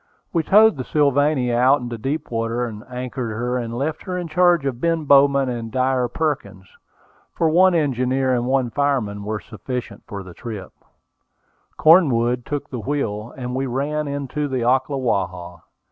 We towed the Sylvania out into deep water, anchored her, and left her in charge of Ben Bowman and Dyer Perkins, for one engineer and one fireman were sufficient for the trip: Cornwood took the wheel, and we ran into the Ocklawaha.